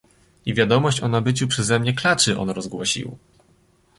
"I wiadomość o nabyciu przeze mnie klaczy on rozgłosił..."